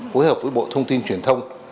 phối hợp với bộ thông tin truyền thông